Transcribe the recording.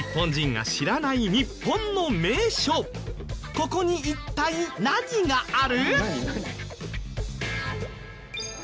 ここに一体何がある？